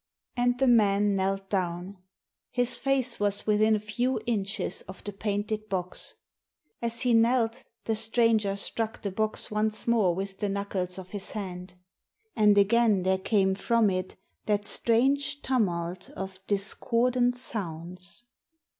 And the man knelt down. His face was within a few inches of the painted box. As he knelt the stranger struck the box once more with the knuckles of his hand. And again there came from it that strange tumult of discordant sounds.